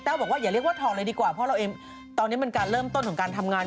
บอกว่าอย่าเรียกว่าทองเลยดีกว่าเพราะเราเองตอนนี้มันการเริ่มต้นของการทำงาน